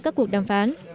các cuộc đàm phán